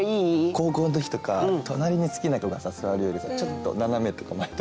高校の時とか隣に好きな子が座るよりちょっと斜めとか前とかにいた方が。